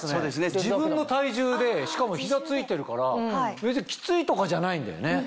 自分の体重でしかも膝ついてるから別にキツいとかじゃないんだよね。